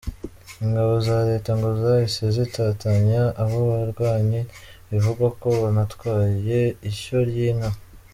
Ingabo za leta ngo zahise zitatanya abo barwanyi bivugwa ko banatwaye ishyo ry’inka.